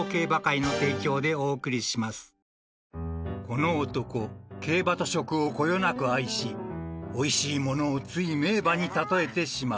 ［この男競馬と食をこよなく愛しおいしいものをつい名馬に例えてしまう］